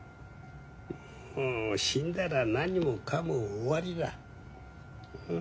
死んだら何もかも終わりだ。